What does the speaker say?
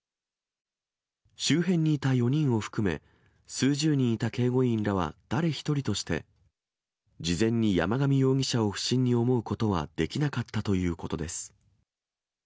周辺にいた４人を含め、数十人いた警護員らは、誰一人として事前に山上容疑者を不審に思うことはできなかったということです。